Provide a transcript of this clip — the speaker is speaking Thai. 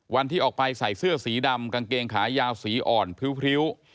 วันที่ออกไปใส่เสื้อสีดำกางเกงขายาวสีอ่อนพริ้ว